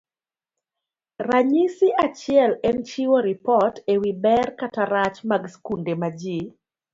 Ranyisi achiel en chiwo ripot e wi ber kata rach mag skunde ma ji